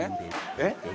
えっ？